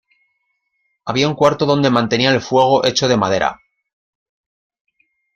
Había un cuarto donde mantenían el fuego, hecho de madera.